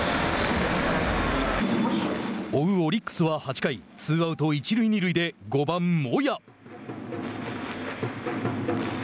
追うオリックスは８回ツーアウト、一塁二塁で５番モヤ。